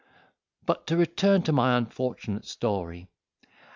'But to return to my unfortunate story.